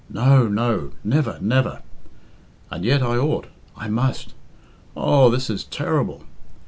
No, no never, never! And yet I ought I must Oh, this is terrible!"